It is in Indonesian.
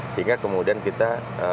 sehingga kemudian kita